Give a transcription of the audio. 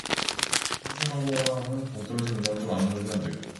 현실 한국어랑은 동떨어진 문장은 좀 안 넣어주면 안 될까요?